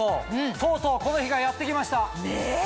とうとうこの日がやって来ました！ね！